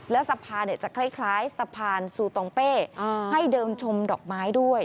และสะพานจะคล้ายสะพานซูตองเป้ให้เดิมชมดอกไม้ด้วย